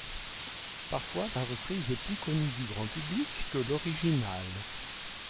Parfois la reprise est plus connue du grand public que l'original.